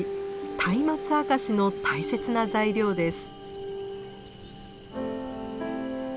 「松明あかし」の大切な材料です。